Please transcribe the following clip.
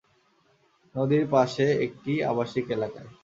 নদীর পাশে একটি আবাসিক এলাকায়।